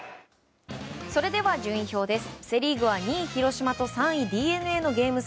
それでは順位表です。